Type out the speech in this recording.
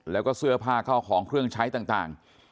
แล้วก็เสื้อผ้าเข้าของเครื่องใช้ต่าง